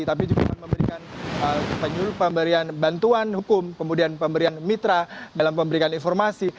tapi juga memberikan pemberian bantuan hukum kemudian pemberian mitra dalam pemberian informasi